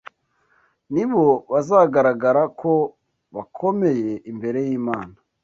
ni bo bazagaragara ko bakomeye imbere y’Imana